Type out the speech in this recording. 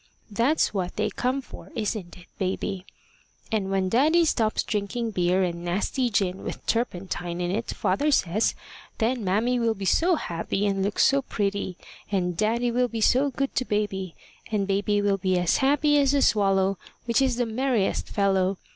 That's what they come for isn't it, baby? And when daddy stops drinking beer and nasty gin with turpentine in it, father says, then mammy will be so happy, and look so pretty! and daddy will be so good to baby! and baby will be as happy as a swallow, which is the merriest fellow!